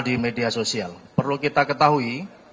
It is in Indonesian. di media sosial perlu kita ketahui